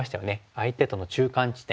相手との中間地点。